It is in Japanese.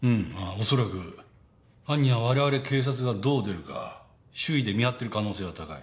おそらく犯人は我々警察がどう出るか周囲で見張ってる可能性が高い。